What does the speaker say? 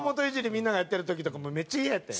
みんながやってる時とかもめっちゃイヤやったんや。